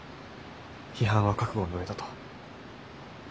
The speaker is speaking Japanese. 批判は覚悟の上だと。